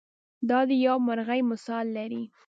دا د یوې مرغۍ مثال لري.